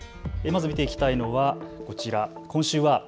まず見ていきたいのはこちら、今週は＃